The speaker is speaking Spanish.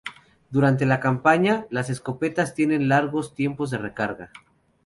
Durante la campaña, las escopetas tienen largos tiempos de recarga.